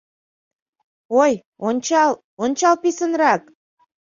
Ой, ончал, ончал писынрак!